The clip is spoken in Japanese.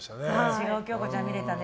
違う京子ちゃんを見れたね。